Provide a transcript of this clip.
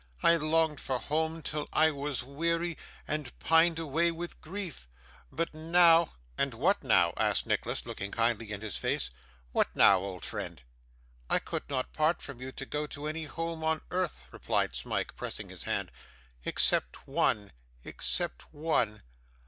I longed for home till I was weary, and pined away with grief, but now ' 'And what now?' asked Nicholas, looking kindly in his face. 'What now, old friend?' 'I could not part from you to go to any home on earth,' replied Smike, pressing his hand; 'except one, except one.